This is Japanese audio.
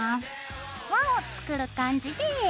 輪を作る感じで。